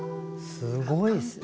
すごいっすね。